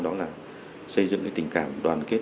đó là xây dựng cái tình cảm đoàn kết